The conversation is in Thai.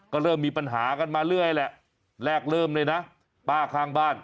ก็เริ่มมีปัญหากันมาเรื่อยแหละแรกเริ่มเลยนะป้าข้างบ้าน